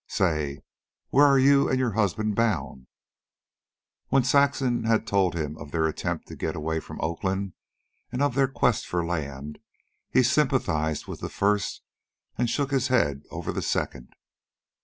Say, where are you and your husband bound?" When Saxon had told him of their attempt to get away from Oakland and of their quest for land, he sympathized with the first and shook his head over the second.